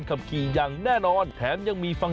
สวัสดีครับคุณพี่สวัสดีครับ